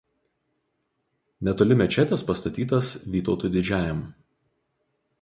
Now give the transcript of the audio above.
Netoli mečetės pastatytas Vytautui Didžiajam.